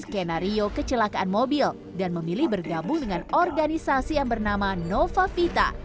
skenario kecelakaan mobil dan memilih bergabung dengan organisasi yang bernama nova vita